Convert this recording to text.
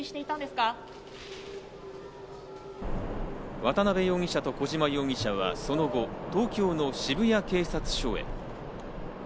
渡辺容疑者と小島容疑者は、その後、東京の渋谷警察署へ。